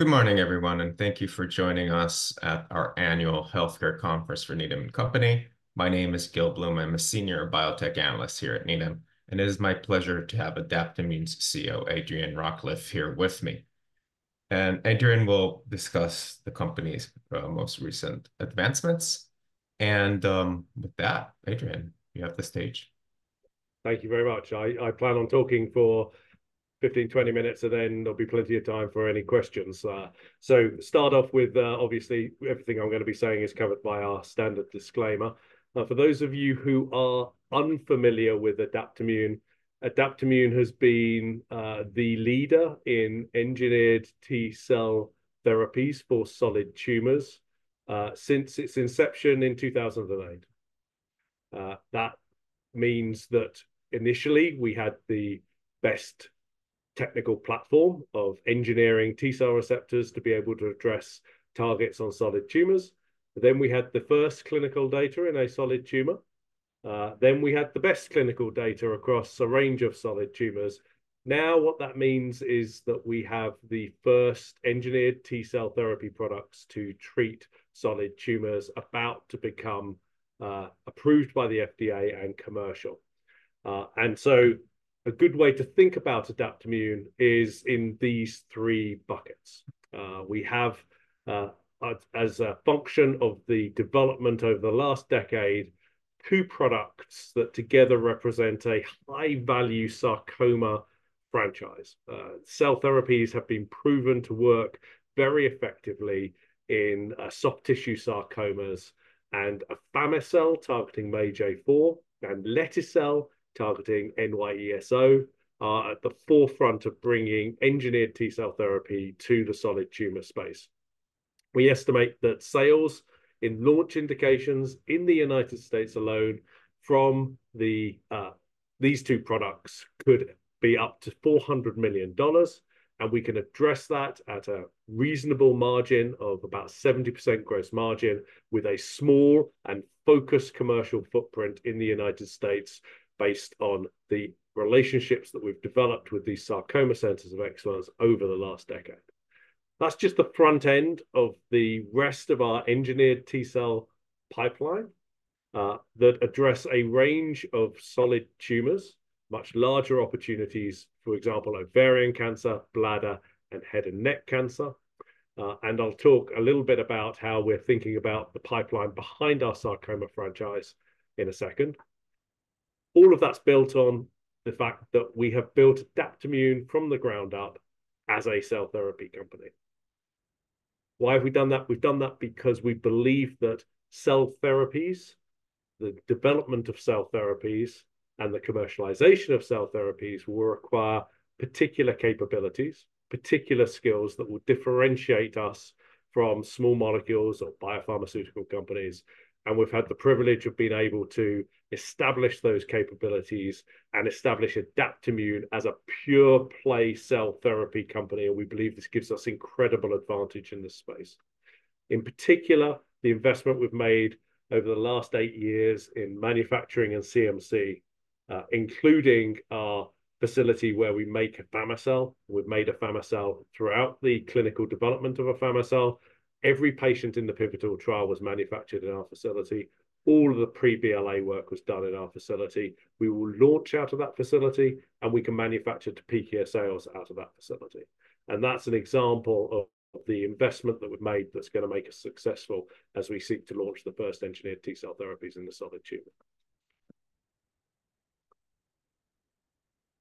Good morning, everyone, and thank you for joining us at our annual healthcare conference for Needham & Company. My name is Gil Blum. I'm a senior biotech analyst here at Needham, and it is my pleasure to have Adaptimmune's CEO, Adrian Rawcliffe, here with me. And Adrian will discuss the company's most recent advancements. And with that, Adrian, you have the stage. Thank you very much. I plan on talking for 15-20 minutes, and then there'll be plenty of time for any questions. So start off with, obviously, everything I'm going to be saying is covered by our standard disclaimer. For those of you who are unfamiliar with Adaptimmune, Adaptimmune has been the leader in engineered T cell therapies for solid tumors since its inception in 2008. That means that initially we had the best technical platform of engineering T cell receptors to be able to address targets on solid tumors. Then we had the first clinical data in a solid tumor. Then we had the best clinical data across a range of solid tumors. Now, what that means is that we have the first engineered T cell therapy products to treat solid tumors about to become approved by the FDA and commercial. And so a good way to think about Adaptimmune is in these three buckets. We have, as a function of the development over the last decade, two products that together represent a high-value sarcoma franchise. Cell therapies have been proven to work very effectively in soft tissue sarcomas and afamitresgene autoleucel targeting MAGE-A4 and lete-cel targeting NY-ESO are at the forefront of bringing engineered T cell therapy to the solid tumor space. We estimate that sales in launch indications in the United States alone from these two products could be up to $400 million, and we can address that at a reasonable margin of about 70% gross margin with a small and focused commercial footprint in the United States, based on the relationships that we've developed with these sarcoma centers of excellence over the last decade. That's just the front end of the rest of our engineered T cell pipeline, that address a range of solid tumors, much larger opportunities, for example, ovarian cancer, bladder, and head and neck cancer. I'll talk a little bit about how we're thinking about the pipeline behind our sarcoma franchise in a second. All of that's built on the fact that we have built Adaptimmune from the ground up as a cell therapy company. Why have we done that? We've done that because we believe that cell therapies, the development of cell therapies, and the commercialization of cell therapies will require particular capabilities, particular skills that will differentiate us from small molecules or biopharmaceutical companies. And we've had the privilege of being able to establish those capabilities and establish Adaptimmune as a pure-play cell therapy company, and we believe this gives us incredible advantage in this space. In particular, the investment we've made over the last eight years in manufacturing and CMC, including our facility where we make afamitresgene autoleucel. We've made afamitresgene autoleucel throughout the clinical development of afamitresgene autoleucel. Every patient in the pivotal trial was manufactured in our facility. All of the pre-BLA work was done in our facility. We will launch out of that facility, and we can manufacture to peak year sales out of that facility. That's an example of the investment that we've made that's going to make us successful as we seek to launch the first engineered T cell therapies in the solid tumor.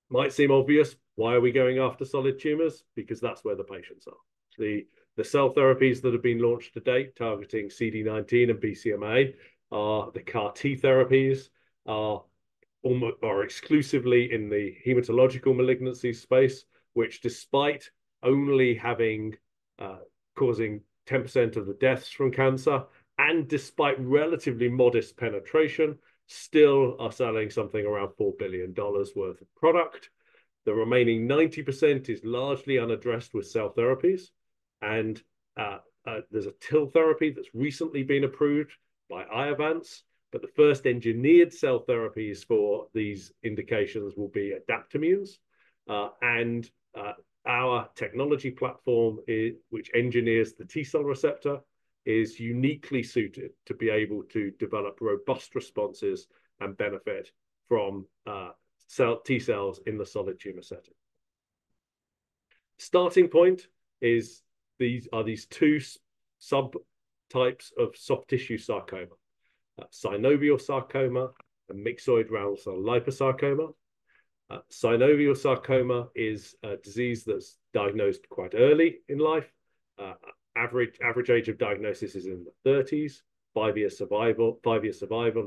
Might seem obvious, why are we going after solid tumors? Because that's where the patients are. The cell therapies that have been launched to date, targeting CD19 and BCMA, are the CAR T therapies, are exclusively in the hematological malignancy space, which, despite only causing 10% of the deaths from cancer and despite relatively modest penetration, still are selling something around $4 billion worth of product. The remaining 90% is largely unaddressed with cell therapies, and there's a TIL therapy that's recently been approved by Iovance, but the first engineered cell therapies for these indications will be Adaptimmune's. and, our technology platform which engineers the T cell receptor, is uniquely suited to be able to develop robust responses and benefit from, T cells in the solid tumor setting. The starting point is these two subtypes of soft tissue sarcoma, synovial sarcoma and myxoid round cell liposarcoma. Synovial sarcoma is a disease that's diagnosed quite early in life. Average age of diagnosis is in the thirties. Five-year survival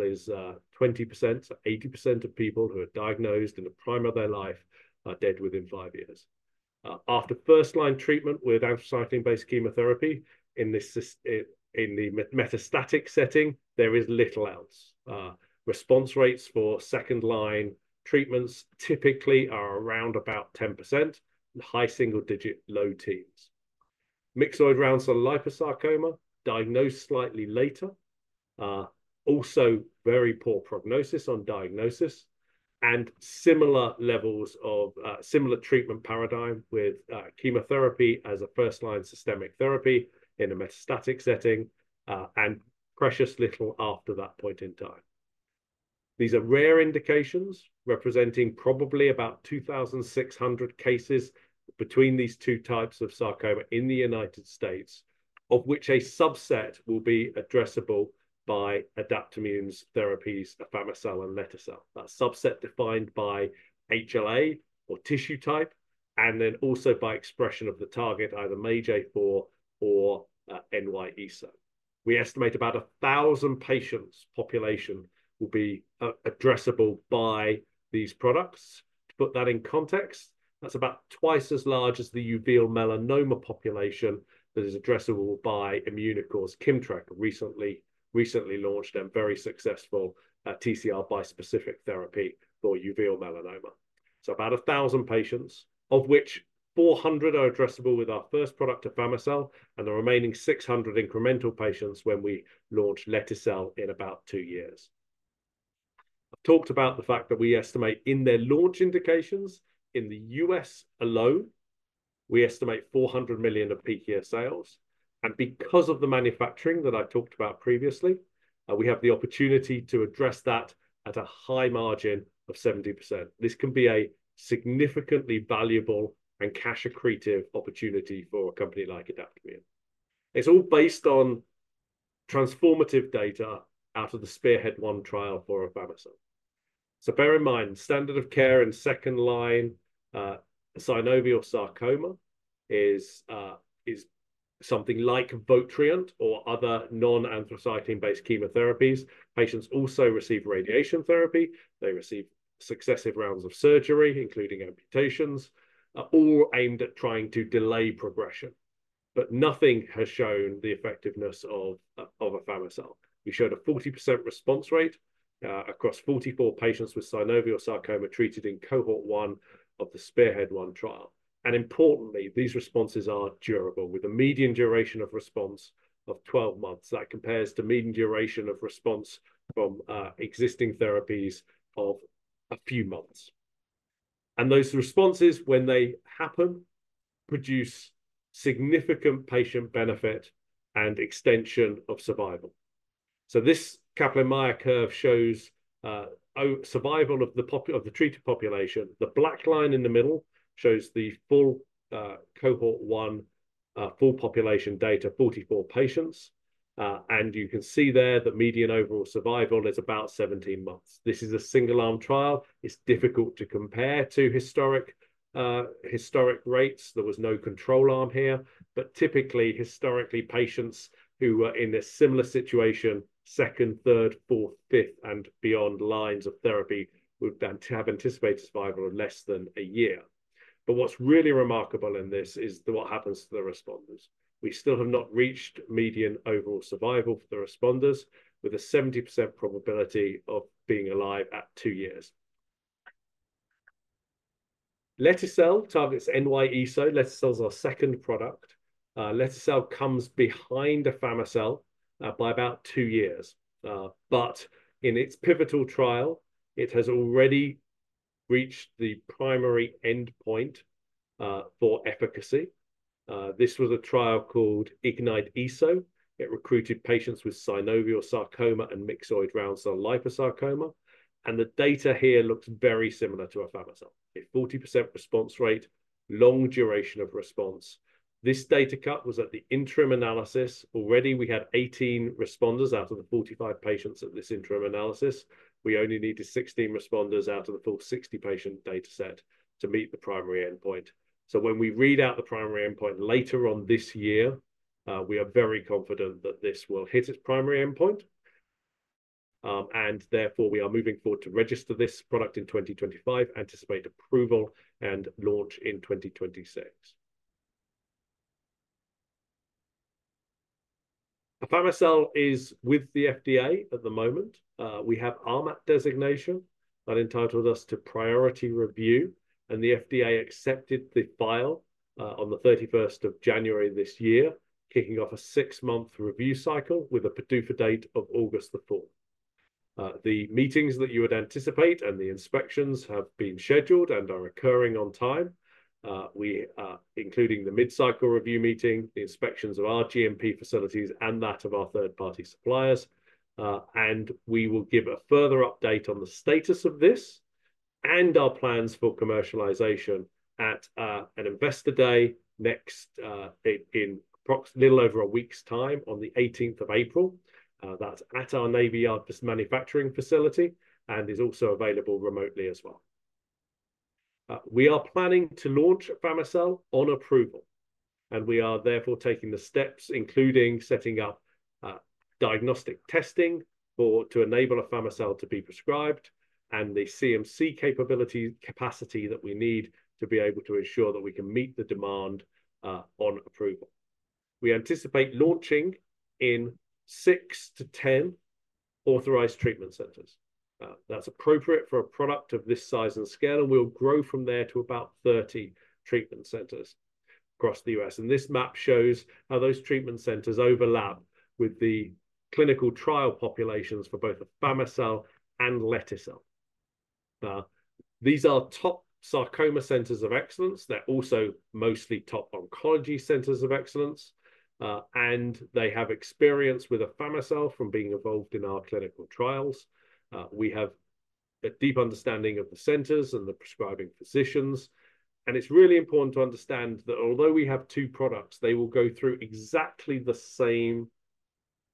is 20%. So 80% of people who are diagnosed in the prime of their life are dead within five years. After first-line treatment with anthracycline-based chemotherapy in this metastatic setting, there is little else. Response rates for second-line treatments typically are around about 10%, high single digit, low teens. Myxoid round cell liposarcoma, diagnosed slightly later-... Also very poor prognosis on diagnosis and similar levels of similar treatment paradigm with chemotherapy as a first-line systemic therapy in a metastatic setting, and precious little after that point in time. These are rare indications representing probably about 2,600 cases between these two types of sarcoma in the United States, of which a subset will be addressable by Adaptimmune's therapies, afamitresgene autoleucel and letetresgene autoleucel. That subset defined by HLA or tissue type, and then also by expression of the target, either MAGE-A4 or NY-ESO-1. We estimate about 1,000 patients population will be addressable by these products. To put that in context, that's about twice as large as the uveal melanoma population that is addressable by Immunocore's KIMMTRAK, recently launched and very successful TCR bispecific therapy for uveal melanoma. So about 1,000 patients, of which 400 are addressable with our first product, afamitresgene autoleucel, and the remaining 600 incremental patients when we launch letetresgene autoleucel in about two years. I talked about the fact that we estimate in their launch indications in the U.S. alone, we estimate $400 million of peak year sales, and because of the manufacturing that I talked about previously, we have the opportunity to address that at a high margin of 70%. This can be a significantly valuable and cash accretive opportunity for a company like Adaptimmune. It's all based on transformative data out of the SPEARHEAD-1 trial for afamitresgene autoleucel. So bear in mind, standard of care in second-line synovial sarcoma is something like Votrient or other non-anthracycline-based chemotherapies. Patients also receive radiation therapy. They receive successive rounds of surgery, including amputations, all aimed at trying to delay progression, but nothing has shown the effectiveness of afamitresgene autoleucel. We showed a 40% response rate across 44 patients with synovial sarcoma treated in cohort one of the SPEARHEAD-1 trial. And importantly, these responses are durable, with a median duration of response of 12 months. That compares to median duration of response from existing therapies of a few months. And those responses, when they happen, produce significant patient benefit and extension of survival. So this Kaplan-Meier curve shows overall survival of the population of the treated population. The black line in the middle shows the full cohort one full population data, 44 patients, and you can see there that median overall survival is about 17 months. This is a single-arm trial. It's difficult to compare to historic rates. There was no control arm here, but typically, historically, patients who were in this similar situation, second, third, fourth, fifth, and beyond lines of therapy, would then to have anticipated survival of less than a year. But what's really remarkable in this is the, what happens to the responders. We still have not reached median overall survival for the responders, with a 70% probability of being alive at 2 years. letetresgene autoleucel targets NY-ESO. letetresgene autoleucel is our second product. letetresgene autoleucel comes behind afamitresgene autoleucel, by about two years. But in its pivotal trial, it has already reached the primary endpoint, for efficacy. This was a trial called IGNYTE-ESO. It recruited patients with synovial sarcoma and myxoid round cell liposarcoma, and the data here looks very similar to afamitresgene autoleucel. A 40% response rate, long duration of response. This data cut was at the interim analysis. Already, we had 18 responders out of the 45 patients at this interim analysis. We only needed 16 responders out of the full 60-patient dataset to meet the primary endpoint. So when we read out the primary endpoint later on this year, we are very confident that this will hit its primary endpoint, and therefore, we are moving forward to register this product in 2025, anticipate approval and launch in 2026. afamitresgene autoleucel is with the FDA at the moment. We have RMAT designation that entitles us to priority review, and the FDA accepted the file, on the 31st of January this year, kicking off a 6-month review cycle with a PDUFA date of August the fourth. The meetings that you would anticipate and the inspections have been scheduled and are occurring on time. We are including the mid-cycle review meeting, the inspections of our GMP facilities and that of our third-party suppliers, and we will give a further update on the status of this and our plans for commercialization at an investor day next, in little over a week's time, on the eighteenth of April. That's at our Navy Yard manufacturing facility and is also available remotely as well. We are planning to launch afamitresgene autoleucel on approval, and we are therefore taking the steps, including setting up diagnostic testing for to enable afamitresgene autoleucel to be prescribed and the CMC capability, capacity that we need to be able to ensure that we can meet the demand on approval. We anticipate launching in 6-10-... Authorized treatment centers. That's appropriate for a product of this size and scale, and we'll grow from there to about 30 treatment centers across the U.S. This map shows how those treatment centers overlap with the clinical trial populations for both afamitresgene autoleucel and letetresgene autoleucel. These are top sarcoma centers of excellence. They're also mostly top oncology centers of excellence, and they have experience with afamitresgene autoleucel from being involved in our clinical trials. We have a deep understanding of the centers and the prescribing physicians, and it's really important to understand that although we have two products, they will go through exactly the same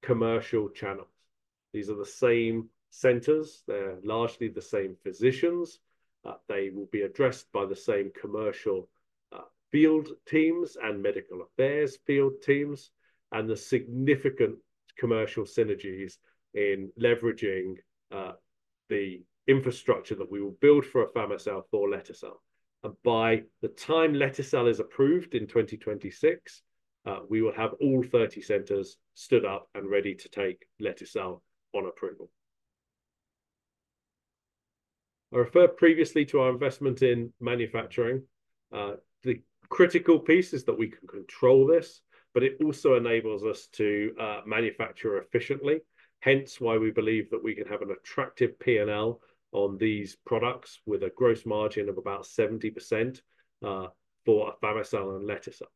commercial channels. These are the same centers, they're largely the same physicians, they will be addressed by the same commercial field teams and medical affairs field teams, and the significant commercial synergies in leveraging the infrastructure that we will build for afamitresgene autoleucel for letetresgene autoleucel. And by the time letetresgene autoleucel is approved in 2026, we will have all 30 centers stood up and ready to take letetresgene autoleucel on approval. I referred previously to our investment in manufacturing. The critical piece is that we can control this, but it also enables us to manufacture efficiently, hence why we believe that we can have an attractive P&L on these products, with a gross margin of about 70%, for afamitresgene autoleucel and letetresgene autoleucel.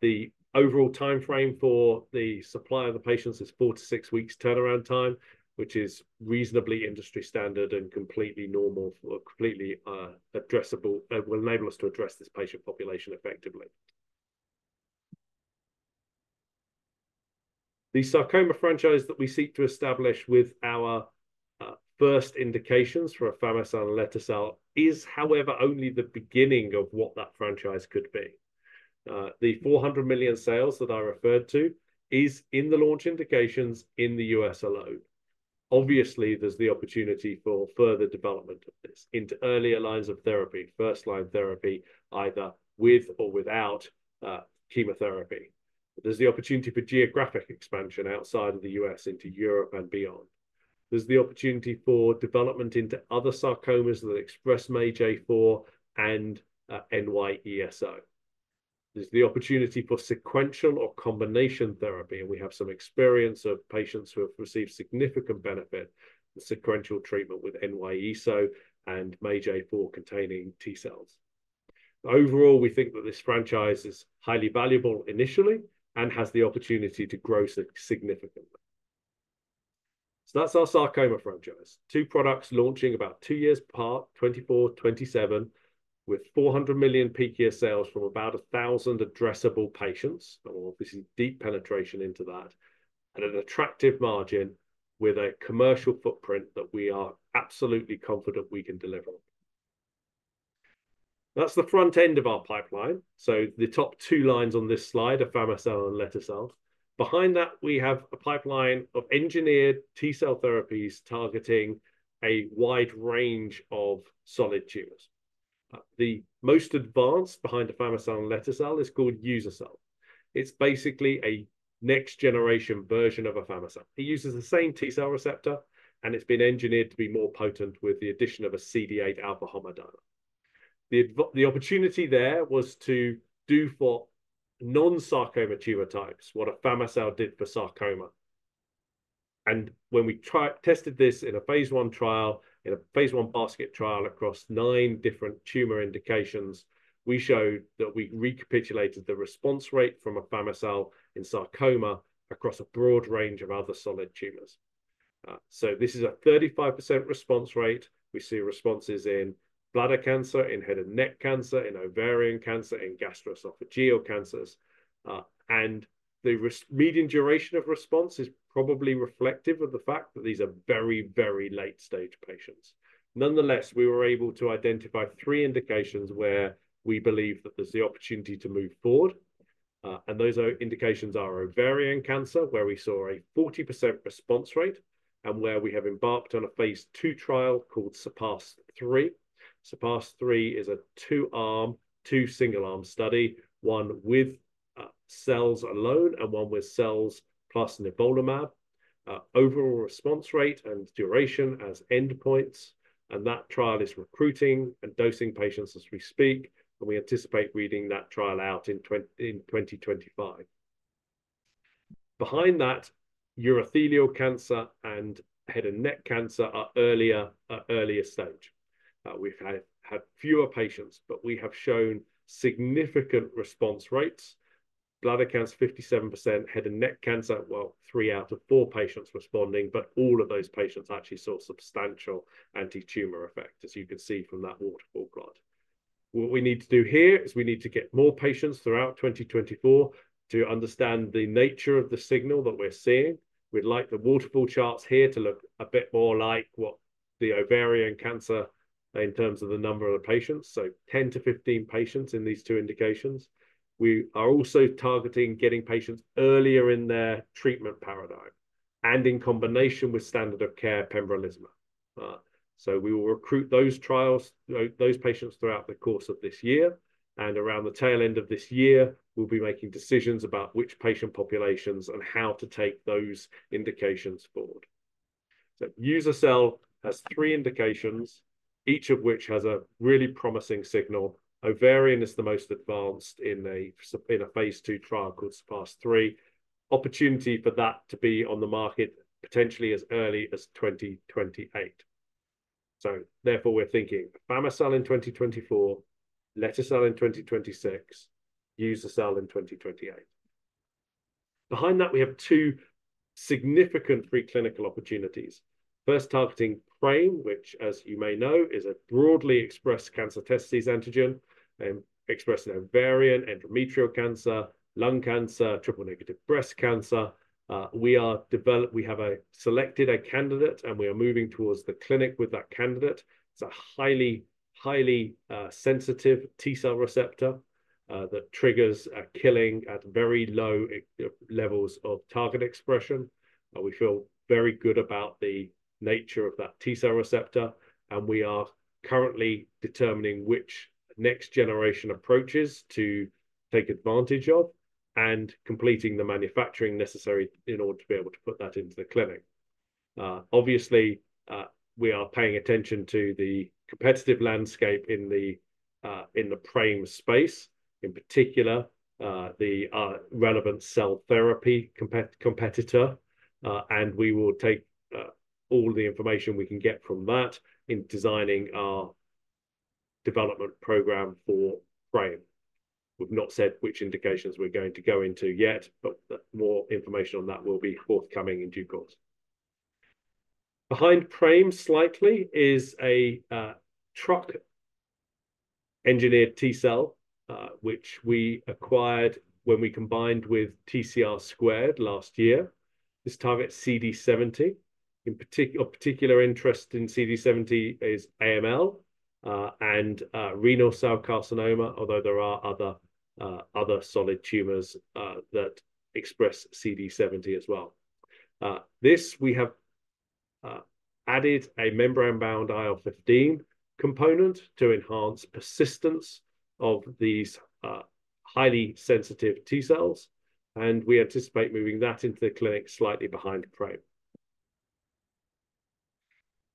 The overall timeframe for the supply of the patients is 4-6 weeks turnaround time, which is reasonably industry standard and completely normal, completely addressable, will enable us to address this patient population effectively. The sarcoma franchise that we seek to establish with our first indications for afamitresgene autoleucel and letetresgene autoleucel is, however, only the beginning of what that franchise could be. The $400 million sales that I referred to is in the launch indications in the U.S. alone. Obviously, there's the opportunity for further development of this into earlier lines of therapy, first-line therapy, either with or without chemotherapy. There's the opportunity for geographic expansion outside of the U.S. into Europe and beyond. There's the opportunity for development into other sarcomas that express MAGE-A4 and NY-ESO. There's the opportunity for sequential or combination therapy, and we have some experience of patients who have received significant benefit, the sequential treatment with NY-ESO and MAGE-A4 containing T-cells. Overall, we think that this franchise is highly valuable initially and has the opportunity to grow significantly. So that's our sarcoma franchise. Two products launching about two years apart, 2024, 2027, with $400 million peak year sales from about 1,000 addressable patients, obviously, deep penetration into that, at an attractive margin with a commercial footprint that we are absolutely confident we can deliver. That's the front end of our pipeline. So the top two lines on this slide, afamitresgene autoleucel and letetresgene autoleucel. Behind that, we have a pipeline of engineered T-cell therapies targeting a wide range of solid tumors. The most advanced behind afamitresgene autoleucel and letetresgene autoleucel is called uza-cel. It's basically a next-generation version of afamitresgene autoleucel. It uses the same T-cell receptor, and it's been engineered to be more potent with the addition of a CD8 alpha homodimer. The opportunity there was to do for non-sarcoma tumor types, what afamitresgene autoleucel did for sarcoma. And when we tested this in a phase 1 trial, in a phase 1 basket trial across nine different tumor indications, we showed that we recapitulated the response rate from afamitresgene autoleucel in sarcoma across a broad range of other solid tumors. So this is a 35% response rate. We see responses in bladder cancer, in head and neck cancer, in ovarian cancer, in gastroesophageal cancers. And the median duration of response is probably reflective of the fact that these are very, very late-stage patients. Nonetheless, we were able to identify 3 indications where we believe that there's the opportunity to move forward, and those are, indications are ovarian cancer, where we saw a 40% response rate, and where we have embarked on a phase 2 trial called SURPASS-3. SURPASS-3 is a 2-arm, 2 single-arm study, 1 with cells alone and 1 with cells plus nivolumab. Overall response rate and duration as endpoints, and that trial is recruiting and dosing patients as we speak, and we anticipate reading that trial out in 2025. Behind that, urothelial cancer and head and neck cancer are earlier, at earlier stage. We've had fewer patients, but we have shown significant response rates. Bladder cancer, 57%, head and neck cancer, well, three out of four patients responding, but all of those patients actually saw substantial anti-tumor effect, as you can see from that waterfall plot. What we need to do here is we need to get more patients throughout 2024 to understand the nature of the signal that we're seeing. We'd like the waterfall charts here to look a bit more like what the ovarian cancer in terms of the number of the patients, so 10-15 patients in these two indications. We are also targeting getting patients earlier in their treatment paradigm and in combination with standard of care pembrolizumab. So we will recruit those trials, those patients throughout the course of this year, and around the tail end of this year, we'll be making decisions about which patient populations and how to take those indications forward. So uza-cel has three indications, each of which has a really promising signal. Ovarian is the most advanced in a phase two trial called SURPASS-3. Opportunity for that to be on the market, potentially as early as 2028. So therefore, we're thinking afami-cel in 2024, letetresgene autoleucel in 2026, uza-cel in 2028. Behind that, we have two significant preclinical opportunities. First, targeting PRAME, which, as you may know, is a broadly expressed cancer testis antigen, expressed in ovarian, endometrial cancer, lung cancer, triple-negative breast cancer. We have selected a candidate, and we are moving towards the clinic with that candidate. It's a highly sensitive T cell receptor that triggers a killing at very low levels of target expression. We feel very good about the nature of that T-cell receptor, and we are currently determining which next generation approaches to take advantage of and completing the manufacturing necessary in order to be able to put that into the clinic. Obviously, we are paying attention to the competitive landscape in the, in the PRAME space, in particular, the, relevant cell therapy competitor, and we will take, all the information we can get from that in designing our development program for PRAME. We've not said which indications we're going to go into yet, but more information on that will be forthcoming in due course. Behind PRAME, slightly, is a, TRuC-engineered T cell, which we acquired when we combined with TCR2 last year. This targets CD70. Of particular interest in CD70 is AML and renal cell carcinoma, although there are other solid tumors that express CD70 as well. We have added a membrane-bound IL-15 component to enhance persistence of these highly sensitive T cells, and we anticipate moving that into the clinic slightly behind PRAME.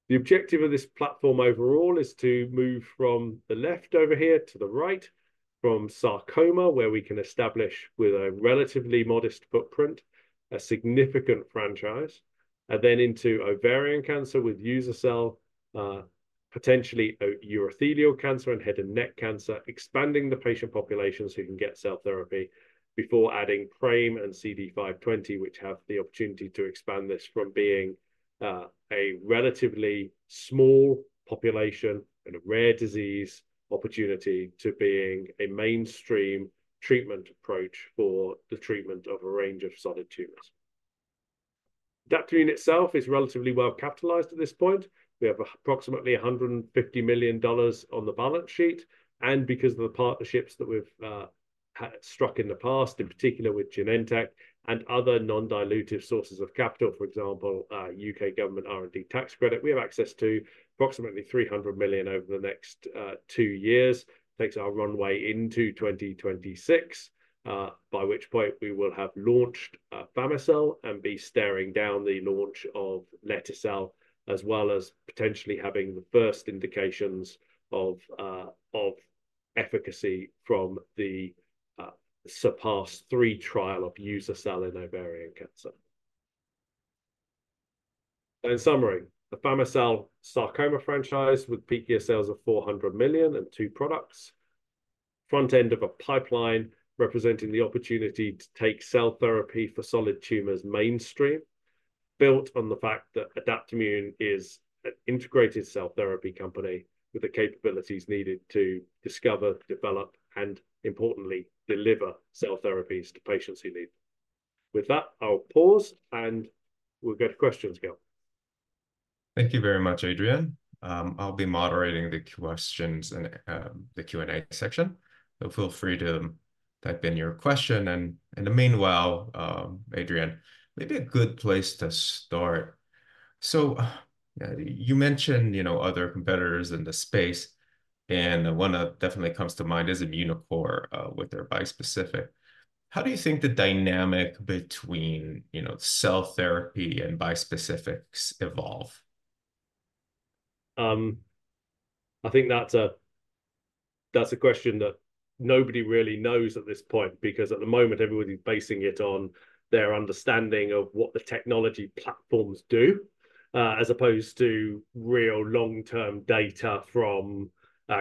The objective of this platform overall is to move from the left over here to the right, from sarcoma, where we can establish, with a relatively modest footprint, a significant franchise, and then into ovarian cancer with uza-cel, potentially, urothelial cancer and head and neck cancer, expanding the patient population so you can get cell therapy before adding PRAME and CD70, which have the opportunity to expand this from being, a relatively small population and a rare disease opportunity to being a mainstream treatment approach for the treatment of a range of solid tumors. The company itself is relatively well-capitalized at this point. We have approximately $150 million on the balance sheet, and because of the partnerships that we've had struck in the past, in particular with Genentech and other non-dilutive sources of capital, for example, UK government R&D tax credit, we have access to approximately $300 million over the next two years. Takes our runway into 2026, by which point we will have launched afami-cel and be staring down the launch of letetresgene autoleucel, as well as potentially having the first indications of efficacy from the SURPASS-3 trial of uza-cel in ovarian cancer. In summary, the afami-cel sarcoma franchise, with peak year sales of $400 million and two products. Front end of a pipeline representing the opportunity to take cell therapy for solid tumors mainstream, built on the fact that Adaptimmune is an integrated cell therapy company with the capabilities needed to discover, develop, and importantly, deliver cell therapies to patients who need. With that, I'll pause, and we'll go to questions, Gil. Thank you very much, Adrian. I'll be moderating the questions in the Q&A section, so feel free to type in your question, and, in the meanwhile, Adrian, maybe a good place to start... So you mentioned, you know, other competitors in the space, and one that definitely comes to mind is Immunocore with their bispecific. How do you think the dynamic between, you know, cell therapy and bispecifics evolve? I think that's a question that nobody really knows at this point, because at the moment, everybody's basing it on their understanding of what the technology platforms do, as opposed to real long-term data from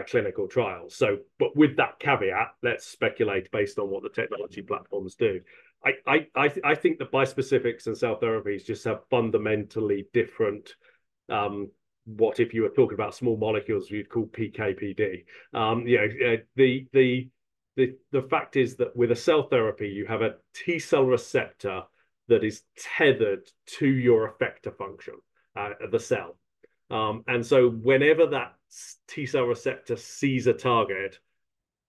clinical trials. So but with that caveat, let's speculate based on what the technology platforms do. I think the bispecifics and cell therapies just have fundamentally different, what if you were talking about small molecules, we'd call PK/PD. You know, the fact is that with a cell therapy, you have a T cell receptor that is tethered to your effector function, the cell. And so whenever that T cell receptor sees a target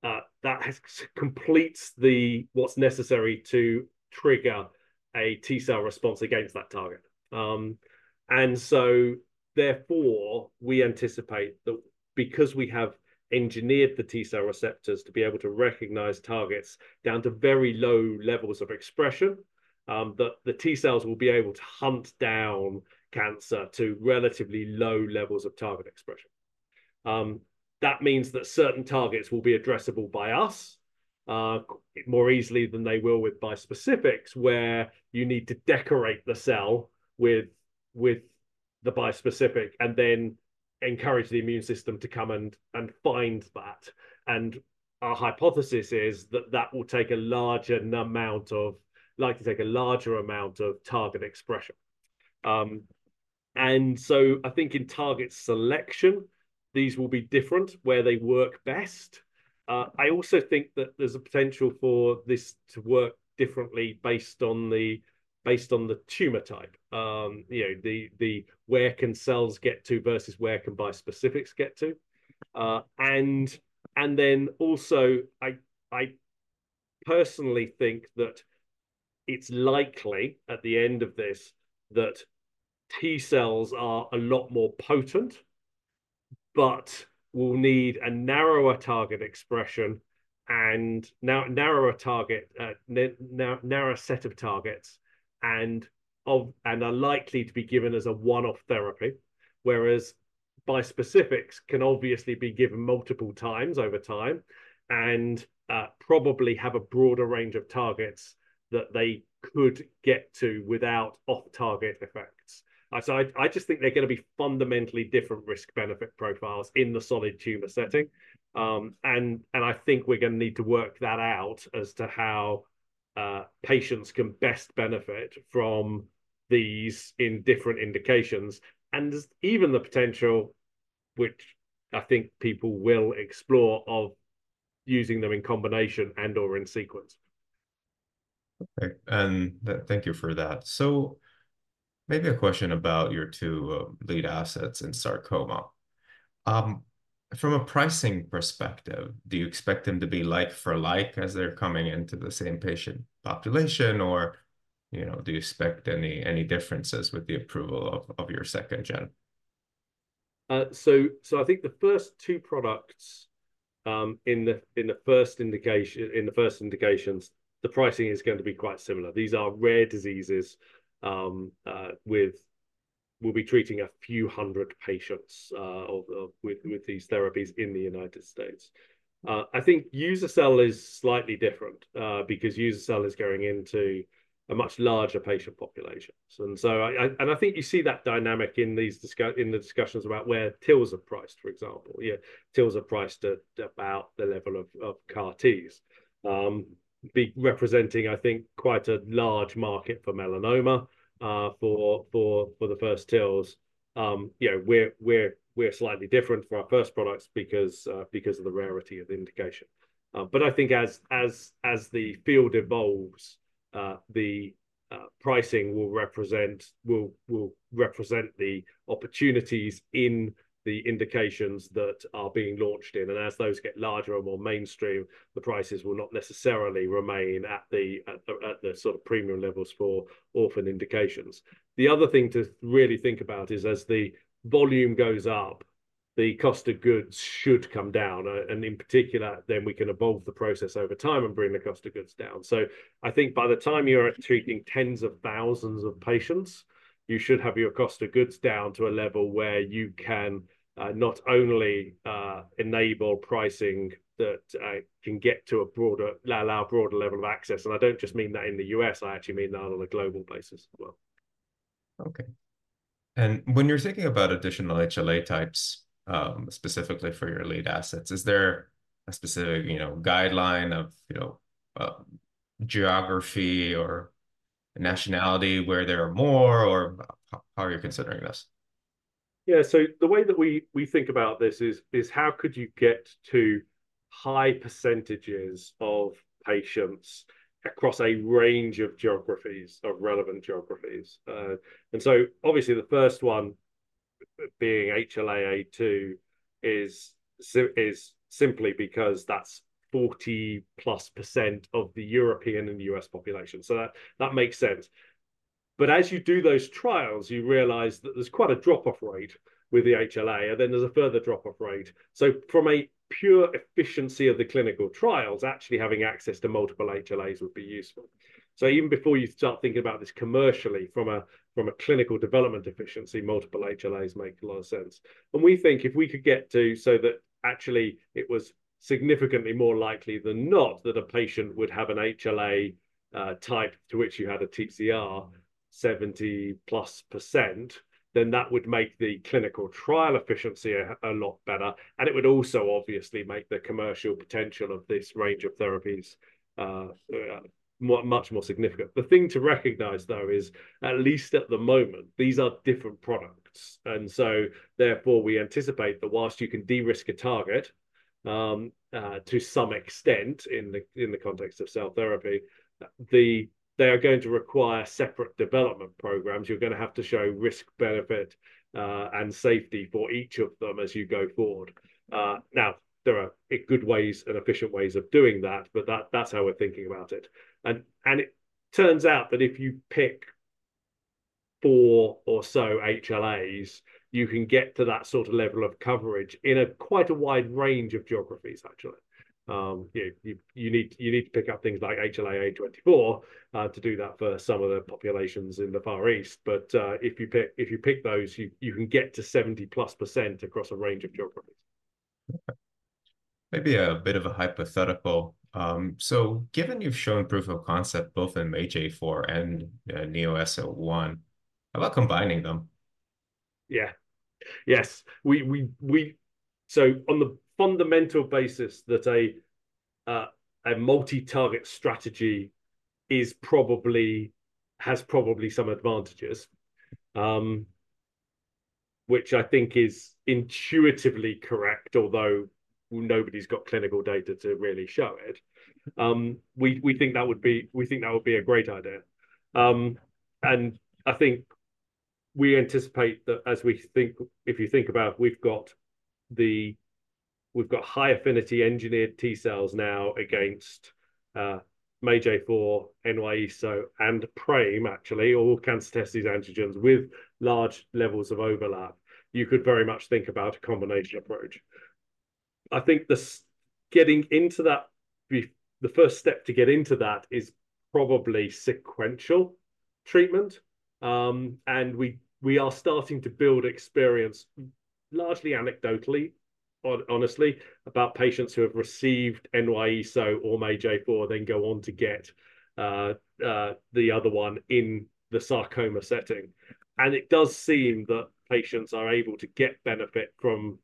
that has completes the, what's necessary to trigger a T-cell response against that target. And so therefore, we anticipate that because we have engineered the T-cell receptors to be able to recognize targets down to very low levels of expression, that the T-cells will be able to hunt down cancer to relatively low levels of target expression. That means that certain targets will be addressable by us, more easily than they will with bispecifics, where you need to decorate the cell with the bispecific and then encourage the immune system to come and find that. And our hypothesis is that that will take a larger amount of- likely to take a larger amount of target expression. And so I think in target selection, these will be different where they work best. I also think that there's a potential for this to work differently based on the, based on the tumor type. You know, where can cells get to versus where can bispecifics get to? And then also, I personally think that it's likely at the end of this, that T-cells are a lot more potent, but will need a narrower target expression and narrower target, narrower set of targets, and are likely to be given as a one-off therapy, whereas bispecifics can obviously be given multiple times over time and probably have a broader range of targets that they could get to without off-target effects. So I just think they're gonna be fundamentally different risk-benefit profiles in the solid tumor setting. And I think we're gonna need to work that out as to how patients can best benefit from these in different indications, and there's even the potential, which I think people will explore, of using them in combination and/or in sequence. Okay, and thank you for that. So maybe a question about your two lead assets in sarcoma. From a pricing perspective, do you expect them to be like for like as they're coming into the same patient population, or, you know, do you expect any differences with the approval of your second gen? So, I think the first two products in the first indication, in the first indications, the pricing is going to be quite similar. These are rare diseases, we'll be treating a few hundred patients with these therapies in the United States. I think uza-cel is slightly different, because uza-cel is going into a much larger patient population. So and so I, I... And I think you see that dynamic in these discussions about where TILs are priced, for example. Yeah, TILs are priced at about the level of CAR-Ts. Representing, I think, quite a large market for melanoma, for the first TILs. You know, we're slightly different for our first products because of the rarity of the indication. But I think as the field evolves, the pricing will represent the opportunities in the indications that are being launched in. And as those get larger or more mainstream, the prices will not necessarily remain at the sort of premium levels for orphan indications. The other thing to really think about is, as the volume goes up, the cost of goods should come down, and in particular, then we can evolve the process over time and bring the cost of goods down. So I think by the time you are treating tens of thousands of patients, you should have your cost of goods down to a level where you can not only enable pricing that can get to a broader, allow broader level of access. And I don't just mean that in the U.S., I actually mean that on a global basis as well. Okay. And when you're thinking about additional HLA types, specifically for your lead assets, is there a specific, you know, guideline of, you know, geography or nationality where there are more, or how are you considering this? Yeah. So the way that we think about this is how could you get to high percentages of patients across a range of geographies, of relevant geographies? And so obviously, the first one being HLA-A2, is simply because that's 40%+ of the European and U.S. population. So that makes sense. But as you do those trials, you realize that there's quite a drop-off rate with the HLA, and then there's a further drop-off rate. So from a pure efficiency of the clinical trials, actually having access to multiple HLAs would be useful. So even before you start thinking about this commercially, from a clinical development efficiency, multiple HLAs make a lot of sense. We think if we could get to so that actually it was significantly more likely than not that a patient would have an HLA type to which you had a TCR 70%+, then that would make the clinical trial efficiency a lot better, and it would also obviously make the commercial potential of this range of therapies much more significant. The thing to recognize, though, is, at least at the moment, these are different products, and so therefore, we anticipate that whilst you can de-risk a target to some extent in the context of cell therapy, they are going to require separate development programs. You're gonna have to show risk, benefit, and safety for each of them as you go forward. Now, there are a good ways and efficient ways of doing that, but that's how we're thinking about it. And it turns out that if you pick four or so HLAs, you can get to that sort of level of coverage in a quite wide range of geographies, actually. You need to pick up things like HLA-A24 to do that for some of the populations in the Far East. But if you pick those, you can get to 70%+ across a range of geographies. Maybe a bit of a hypothetical. Given you've shown proof of concept both in MAGE-A4 and NY-ESO-1, how about combining them? Yeah. Yes, we-- So on the fundamental basis that a multi-target strategy is probably, has probably some advantages, which I think is intuitively correct, although nobody's got clinical data to really show it. We think that would be-- we think that would be a great idea. And I think we anticipate that as we think-- if you think about it, we've got the... We've got high-affinity engineered T-cells now against MAGE-A4, NY-ESO, and PRAME, actually, all cancer testis antigens with large levels of overlap. You could very much think about a combination approach. I think this, getting into that be-- the first step to get into that is probably sequential treatment. And we are starting to build experience, largely anecdotally, honestly, about patients who have received NY-ESO or MAGE-A4, then go on to get the other one in the sarcoma setting. And it does seem that patients are able to get benefit from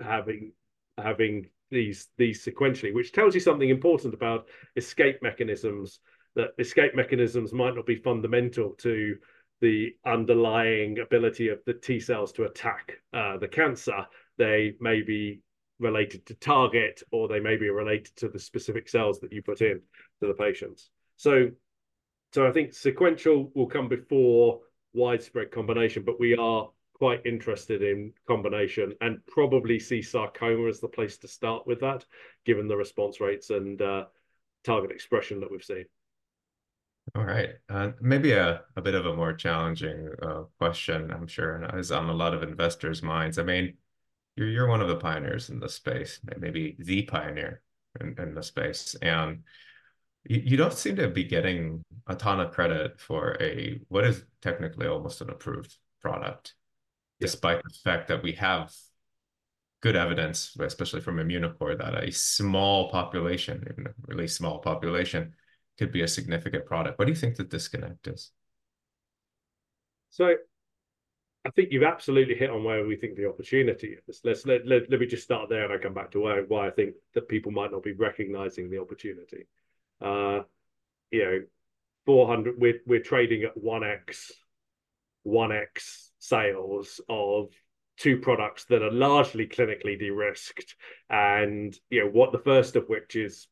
having these sequentially, which tells you something important about escape mechanisms. That escape mechanisms might not be fundamental to the underlying ability of the T-cells to attack the cancer. They may be related to target, or they may be related to the specific cells that you put in to the patients. So I think sequential will come before widespread combination, but we are quite interested in combination, and probably see sarcoma as the place to start with that, given the response rates and target expression that we've seen. All right. Maybe a bit of a more challenging question, I'm sure, and is on a lot of investors' minds. I mean, you're one of the pioneers in this space, maybe the pioneer in the space, and you don't seem to be getting a ton of credit for what is technically almost an approved product- Yes... despite the fact that we have good evidence, especially from Immunocore, that a small population, in a really small population, could be a significant product. What do you think the disconnect is? So I think you've absolutely hit on where we think the opportunity is. Let me just start there, and I come back to why I think that people might not be recognizing the opportunity. You know, 400-- we're trading at 1x, 1x sales of two products that are largely clinically de-risked, and you know, what the first of which is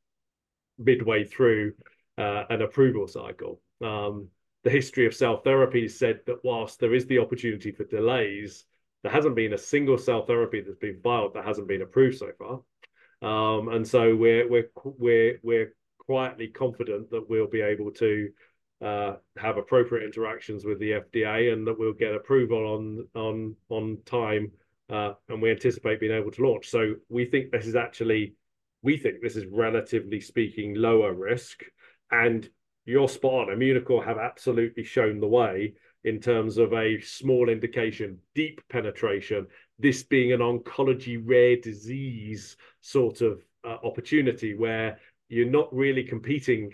midway through an approval cycle. The history of cell therapy said that while there is the opportunity for delays, there hasn't been a single cell therapy that's been filed that hasn't been approved so far. And so we're quietly confident that we'll be able to have appropriate interactions with the FDA, and that we'll get approval on time, and we anticipate being able to launch. So we think this is, relatively speaking, lower risk. And you're spot on. Immunocore have absolutely shown the way in terms of a small indication, deep penetration, this being an oncology rare disease sort of opportunity, where you're not really competing,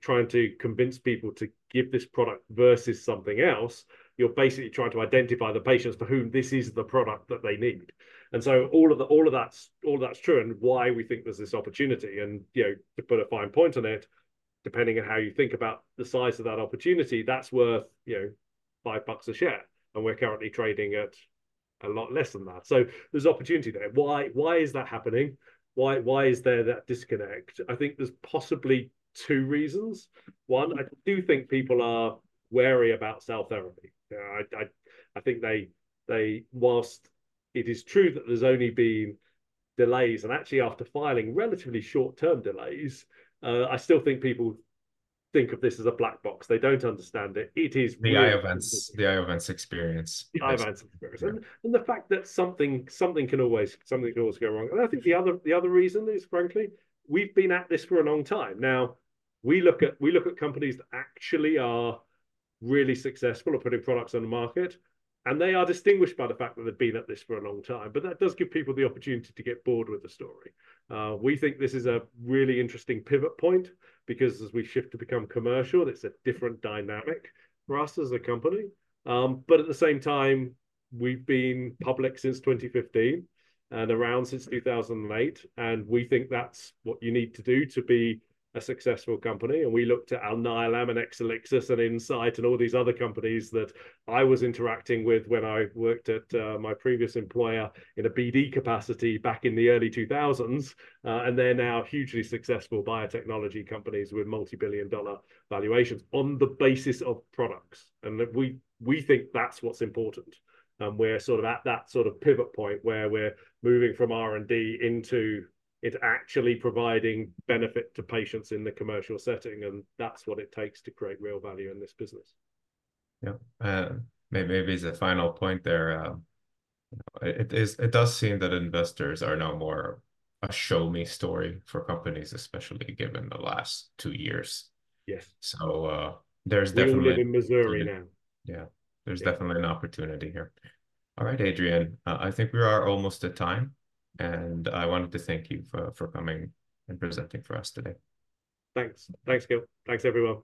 trying to convince people to give this product versus something else. You're basically trying to identify the patients for whom this is the product that they need. And so all of that's true and why we think there's this opportunity. And, you know, to put a fine point on it, depending on how you think about the size of that opportunity, that's worth, you know, $5 a share, and we're currently trading at a lot less than that. So there's opportunity there. Why, why is that happening? Why, why is there that disconnect? I think there's possibly two reasons. One, I do think people are wary about cell therapy. I think they while it is true that there's only been delays, and actually after filing, relatively short-term delays, I still think people think of this as a black box. They don't understand it. It is really- The Iovance experience. The Iovance experience. Yeah. And the fact that something can always go wrong. Mm-hmm. I think the other reason is, frankly, we've been at this for a long time. Now, we look at companies that actually are really successful at putting products on the market, and they are distinguished by the fact that they've been at this for a long time, but that does give people the opportunity to get bored with the story. We think this is a really interesting pivot point, because as we shift to become commercial, it's a different dynamic for us as a company. But at the same time, we've been public since 2015 and around since 2008, and we think that's what you need to do to be a successful company. We looked at Alnylam and Exelixis and Incyte and all these other companies that I was interacting with when I worked at my previous employer in a BD capacity back in the early 2000s, and they're now hugely successful biotechnology companies with multi-billion dollar valuations on the basis of products. That we, we think that's what's important, and we're sort of at that sort of pivot point where we're moving from R&D into it actually providing benefit to patients in the commercial setting, and that's what it takes to create real value in this business. Yeah. Maybe as a final point there, it does seem that investors are now more a show-me story for companies, especially given the last two years. Yes. There's definitely- We live in Missouri now. Yeah. There's definitely- Yeah... an opportunity here. All right, Adrian, I think we are almost at time, and I wanted to thank you for, for coming and presenting for us today. Thanks. Thanks, Gil. Thanks, everyone.